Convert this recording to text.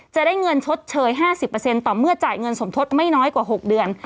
จะได้เงินชดเฉยห้าสิบเปอร์เซ็นต์ต่อเมื่อจ่ายเงินสมทดไม่น้อยกว่าหกเดือน